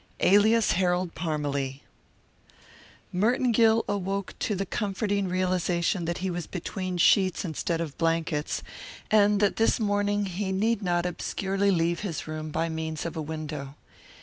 ALIAS HAROLD PARMALEE Merton Gill awoke to the comforting realization that he was between sheets instead of blankets, and that this morning he need not obscurely leave his room by means of a window.